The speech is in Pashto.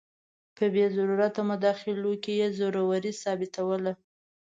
په بې ضرورته مداخلو یې زوروري ثابتوله.